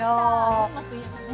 群馬といえばね。